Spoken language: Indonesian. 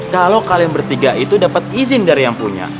kalau kalian bertiga itu dapat izin dari yang punya